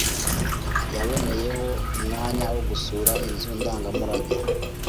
Yaboneyeho umwanya wo gusura inzu ndangamurage.